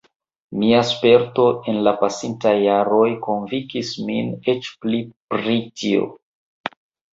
Mia sperto en la pasintaj jaroj konvinkis min eĉ pli pri tio.